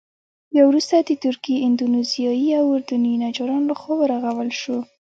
بیا وروسته د تركي، اندونيزيايي او اردني نجارانو له خوا ورغول شو.